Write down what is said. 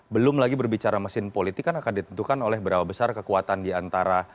belum lagi berbicara mesin politik kan akan ditentukan oleh berapa besar kekuatan diantara